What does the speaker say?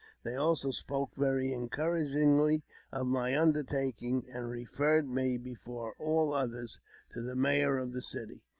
They also spoke very encouragingly of my undertaking, and referred me before all others to the mayor of the city.